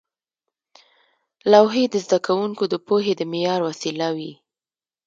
لوحې د زده کوونکو د پوهې د معیار وسیله وې.